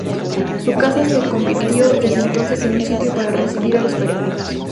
Su casa se convirtió desde entonces en un sitio para recibir a los peregrinos.